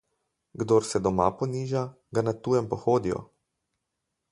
Kdor se doma poniža, ga na tujem pohodijo.